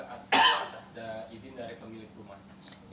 atas izin dari pemilik rumah